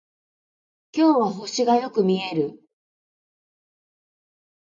今日は星がよく見える